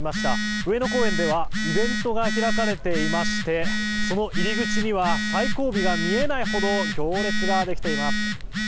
上野公園ではイベントが開かれていましてその入り口には最後尾が見えないほど行列ができています。